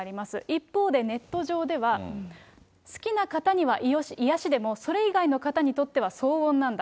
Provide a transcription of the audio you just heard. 一方でネット上では、好きな方には癒やしでも、それ以外の方にとっては騒音なんだ。